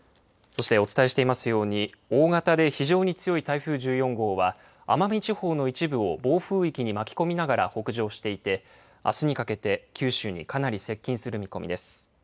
そして、お伝えしていますように大型で非常に強い台風１４号は奄美地方の一部を暴風域に巻き込みながら北上していてあすにかけて九州にかなり接近する見込みです。